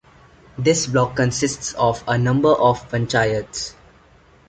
This block consists of a number of panchayats.